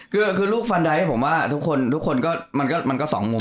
คืออ่ะคือลูกฟันไดท์ผมว่าทุกคนทุกคนก็มันก็มันก็สองมุม